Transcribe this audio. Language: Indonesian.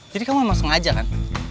jadi kamu emang sengaja kan